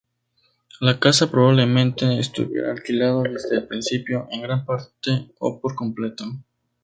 La casa probablemente estuviera alquilada desde el principio en gran parte o por completo.